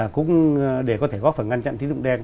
cũng để có thể góp phần ngăn chặn tín dụng đen